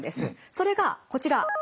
それがこちら。